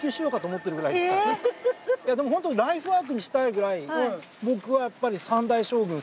でもホントライフワークにしたいぐらい僕はやっぱり三代将軍